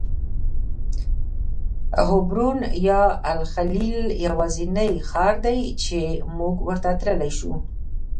حبرون یا الخلیل یوازینی ښار دی چې موږ ورته تللی شو.